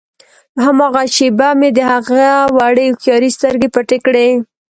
هماغه شېبه مې د هغه وړې هوښیارې سترګې پټې کړې.